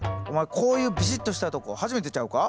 こういうビシッとしたとこ初めてちゃうか？